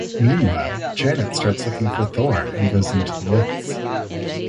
Meanwhile, Janet starts looking for Thor and goes into the woods.